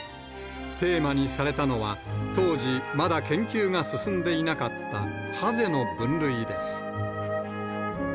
テーマにされたのは、当時、まだ研究が進んでいなかった、ハゼの分類です。